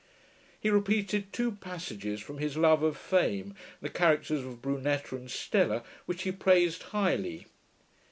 He repeated two passages from his Love of Fame the characters of Brunetta and Stella, which he praised highly.